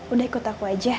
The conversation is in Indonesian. udah ikut aku aja